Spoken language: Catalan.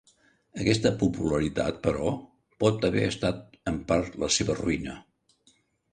Aquesta popularitat, però, pot haver estat en part la seva ruïna.